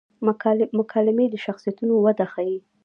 مکالمې د شخصیتونو وده ښيي.